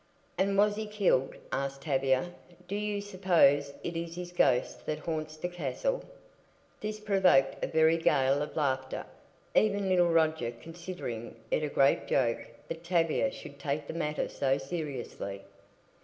"And was he killed?" asked Tavia. "Do you suppose it is his ghost that haunts the castle?" This provoked a very gale of laughter, even little Roger considering it a great joke that Tavia should take the matter so seriously.